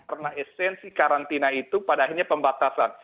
karena esensi karantina itu pada akhirnya pembatasan